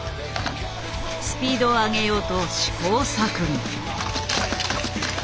スピードを上げようと試行錯誤。